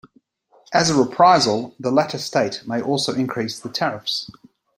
As a reprisal, the latter state may also increase the tariffs.